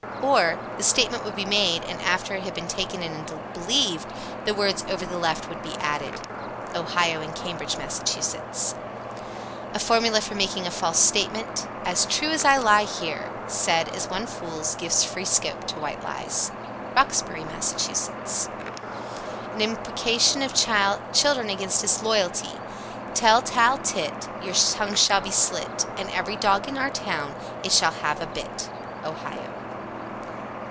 Or, the statement would be made, and after it had been taken in and believed, the words "over the left" would be added. Ohio and Cambridge, Mass. 72. A formula for making a false statement: "As true as I lie here," said, as one fools, gives free scope to white lies. Roxbury, Mass. 73. An imprecation of children against disloyalty: Tell tale tit, Your tongue shall be slit, And every dog in our town It shall have a bit. _Ohio.